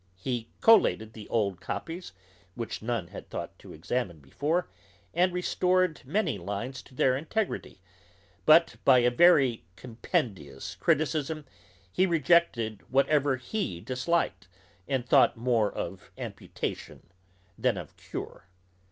He collated the old copies, which none had thought to examine before, and restored many lines to their integrity; but, by a very compendious criticism, he rejected whatever he disliked, and thought more of amputation than of cure.